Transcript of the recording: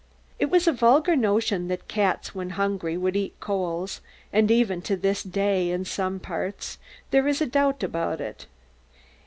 It was a vulgar notion that cats, when hungry, would eat coals; and even to this day, in some parts there is a doubt about it.